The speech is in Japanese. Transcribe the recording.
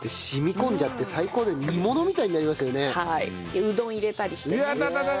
うどん入れたりしてね。